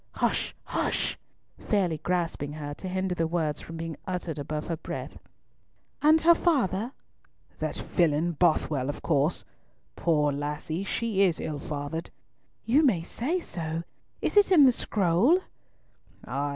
"Hush! hush!" fairly grasping her to hinder the words from being uttered above her breath. "And her father?" "That villain, Bothwell, of course. Poor lassie, she is ill fathered!" "You may say so. Is it in the scroll?" "Ay!